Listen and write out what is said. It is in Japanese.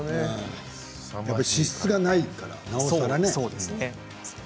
脂質がないからね。